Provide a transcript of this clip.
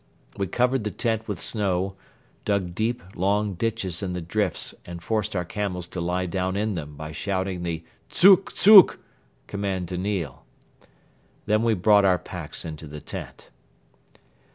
We covered the tent with snow, dug deep, long ditches in the drifts and forced our camels to lie down in them by shouting the "Dzuk! Dzuk!" command to kneel. Then we brought our packs into the tent.